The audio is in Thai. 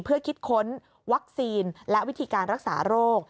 เพื่อคิดค้นวัคซีนและวิธีการรักษาโรค